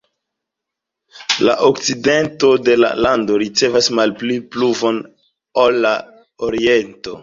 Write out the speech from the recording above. La okcidento de la lando ricevas malpli pluvon ol la oriento.